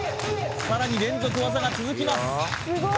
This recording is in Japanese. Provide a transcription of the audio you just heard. さらに連続技が続きます